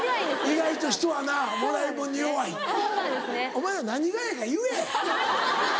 お前ら何がええか言え。